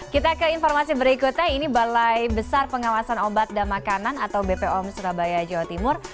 kita ke informasi berikutnya ini balai besar pengawasan obat dan makanan atau bpom surabaya jawa timur